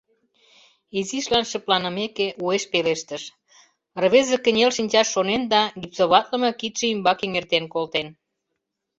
Изишлан шыпланымеке, уэш пелештыш: — Рвезе кынел шинчаш шонен да гипсоватлыме кидше ӱмбак эҥертен колтен.